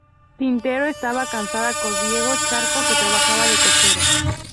Tintero estaba casada con Diego Charco, que trabajaba de cochero.